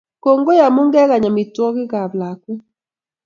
Kongoi amu kegany amitwogik ap lakwet.